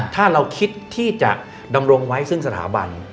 ถ้าเราคิดที่จะดำรงไว้ซึ่งสถาบัน